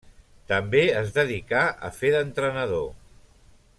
També s dedicà a fer d'entrenador.